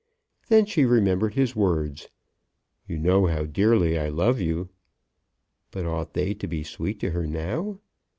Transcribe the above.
Then she remembered his words; "You know how dearly I love you." But ought they to be sweet to her now?